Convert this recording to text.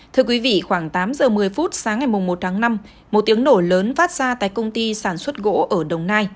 thưa quý vị khoảng tám giờ một mươi phút sáng ngày một tháng năm một tiếng nổ lớn phát ra tại công ty sản xuất gỗ ở đồng nai